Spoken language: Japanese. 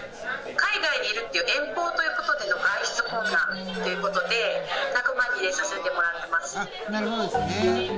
海外にいるっていう、遠方ということでの外出困難ということで、仲間に入れさせてもらなるほどですね。